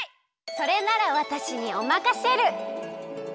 それならわたしにおまかシェル！